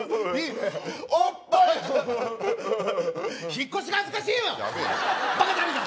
引っ越しが恥ずかしいわバカタレが！